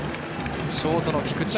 ショートの菊地。